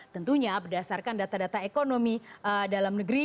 tentunya berdasarkan data data ekonomi dalam negeri